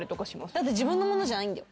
だって自分のものじゃないんだよ？